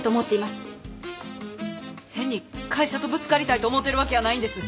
変に会社とぶつかりたいと思うてるわけやないんです。